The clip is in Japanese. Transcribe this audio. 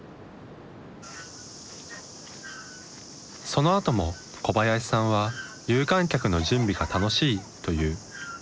そのあとも小林さんは有観客の準備が楽しいと言う。